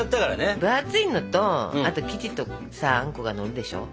分厚いのとあと生地とかさあんこがのるでしょ？